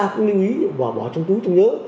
cũng lưu ý và bỏ trong túi chung nhớ